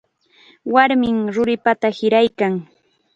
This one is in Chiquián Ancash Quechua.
Warmim ruripanta hiraykan.